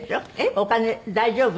「お金大丈夫？」